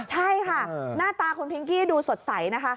ใช่ค่ะหน้าตาคุณพิงกี้ดูสดใสนะคะ